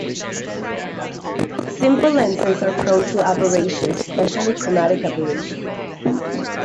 Simple lenses are prone to aberrations, especially chromatic aberration.